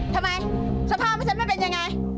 ทำไมสภาพของฉันไม่เป็นยังไง